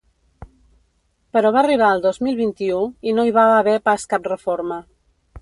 Però va arribar el dos mil vint-i-u i no hi va haver pas cap reforma.